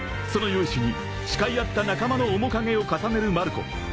［その勇姿に誓い合った仲間の面影を重ねるマルコ］